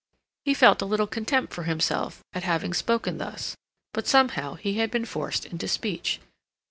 He felt a little contempt for himself at having spoken thus; but somehow he had been forced into speech.